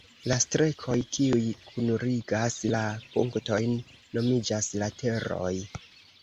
La strekoj, kiuj kunligas la punktojn, nomiĝas lateroj.